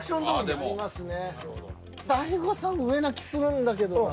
大悟さん上な気するんだけどな。